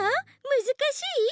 むずかしい？